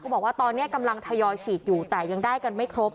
บอกว่าตอนนี้กำลังทยอยฉีดอยู่แต่ยังได้กันไม่ครบ